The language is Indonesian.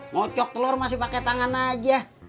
mocok telur masih pakai tangan aja